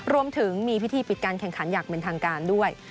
รวมถึงมีพิธีปิดการแข่งขันอย่างเป็นทางการด้วย